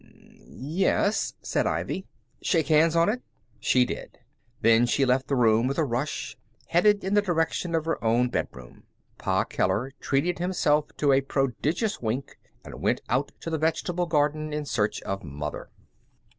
"M m m yes," said Ivy. "Shake hands on it." She did. Then she left the room with a rush, headed in the direction of her own bedroom. Pa Keller treated himself to a prodigious wink and went out to the vegetable garden in search of Mother.